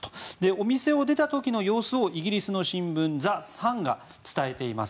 お店を出た時の様子をイギリスの新聞ザ・サンが伝えています。